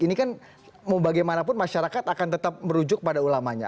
ini kan mau bagaimanapun masyarakat akan tetap merujuk pada ulamanya